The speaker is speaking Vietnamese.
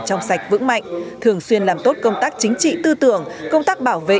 trong sạch vững mạnh thường xuyên làm tốt công tác chính trị tư tưởng công tác bảo vệ